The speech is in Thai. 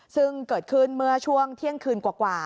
ซึ่งเกิดขึ้นเมื่อช่วงเที่ยงคืนกว่า